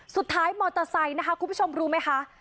สุดท้ายมอเตอร์ไซค์นะคะคุณผู้ชมรู้ไหมคะ